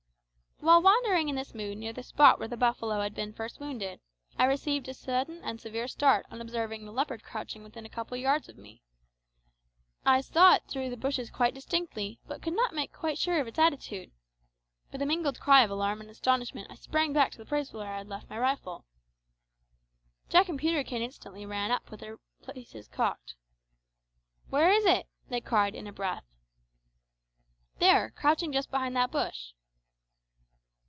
While wandering in this mood near the spot where the buffalo had been first wounded, I received a sudden and severe start on observing the leopard crouching within a couple of yards of me. I saw it through the bushes quite distinctly, but could not make quite sure of its attitude. With a mingled cry of alarm and astonishment I sprang back to the place where I had left my rifle. Jack and Peterkin instantly ran up with their pieces cocked. "Where is it?" they cried in a breath. "There, crouching just behind that bush."